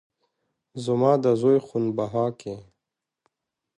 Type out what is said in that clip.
زما د زوى خون بها کې